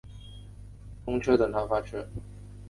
公车等他发车